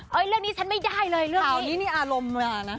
เรื่องนี้ฉันไม่ได้เลยเรื่องเหล่านี้นี่อารมณ์มานะ